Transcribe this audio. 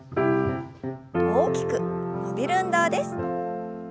大きく伸びる運動です。